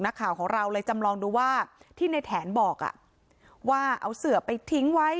นักข่าวของเราเลยจำลองดูว่าที่ในแถนบอกว่าเอาเสือไปทิ้งไว้